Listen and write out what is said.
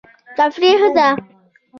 تفریح ښه دی.